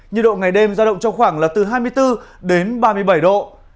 nhiệt độ ngày đêm giao động trong khoảng là từ hai mươi bốn đến ba mươi bảy độ